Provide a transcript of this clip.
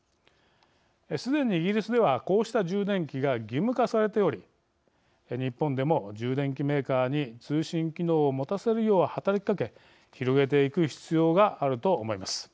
すでにイギリスではこうした充電器が義務化されており日本でも充電器メーカーに通信機能を持たせるよう働きかけ広げていく必要があると思います。